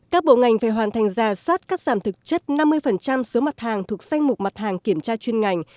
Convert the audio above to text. các bộ ngành phải hoàn thành giả soát cắt giảm thực chất năm mươi số mặt hàng thuộc danh mục mặt hàng kiểm tra chuyên ngành